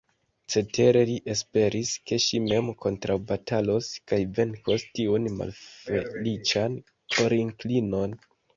Cetere li esperis, ke ŝi mem kontraŭbatalos kaj venkos tiun malfeliĉan korinklinon.